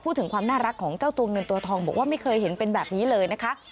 พูดถึงความน่ารักของเจ้าตัวเงินตัวทองบอกว่าไม่เคยเห็นเป็นแบบนี้เลยนะคะ